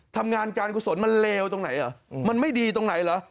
ทำงานการกุศลมันเลวตรงไหนเหรอมันไม่ดีตรงไหนเหรอ